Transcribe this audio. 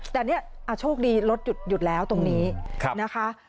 แต่เนี่ยโชคดีรถหยุดแล้วตรงนี้นะคะ